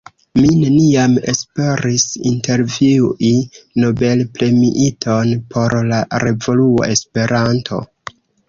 Mi neniam esperis intervjui Nobel-premiiton por la revuo Esperanto!